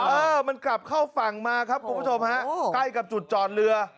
เออมันกลับเข้าฝั่งมาครับคุณผู้ชมฮะใกล้กับจุดจอดเรือ